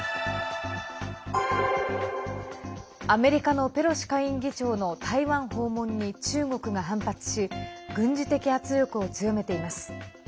アメリカのペロシ下院議長の台湾訪問に中国が反発し軍事的圧力を強めています。